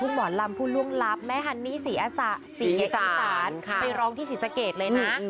ลูกทุกหมอลำผู้ล่วงรับแม่ฮันนี่สีอาสันไปร้องที่สิทธิ์สเก็บเลยนะ